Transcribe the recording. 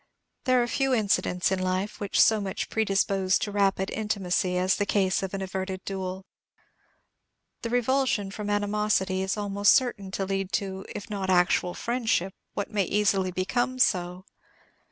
There are few incidents in life which so much predispose to rapid intimacy as the case of an averted duel. The revulsion from animosity is almost certain to lead to, if not actual friendship, what may easily become so.